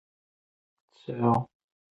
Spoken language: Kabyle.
Tseɛɛu.